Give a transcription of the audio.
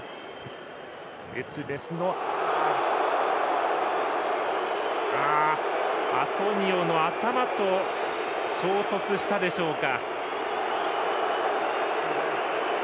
エツベスがアトニオの頭と衝突したでしょうか。